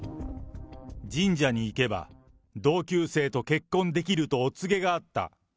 神社に行けば同級生と結婚できるとお告げがあった。